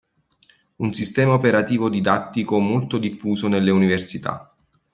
Un sistema operativo didattico molto diffuso nelle università.